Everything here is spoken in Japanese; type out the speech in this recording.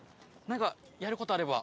何かやることあれば。